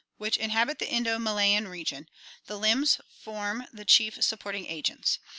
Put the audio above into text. which inhabit the Indo Malayan region, the limbs form the chief supporting agents.